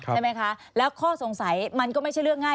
ใช่ไหมคะแล้วข้อสงสัยมันก็ไม่ใช่เรื่องง่าย